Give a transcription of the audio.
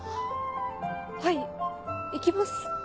はい行きます。